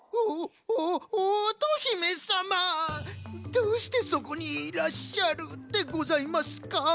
どうしてそこにいらっしゃるでございますか？